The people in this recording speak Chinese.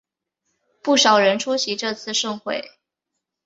不少人出席这次盛会。